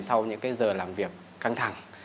sau những cái giờ làm việc căng thẳng